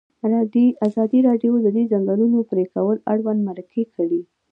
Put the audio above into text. ازادي راډیو د د ځنګلونو پرېکول اړوند مرکې کړي.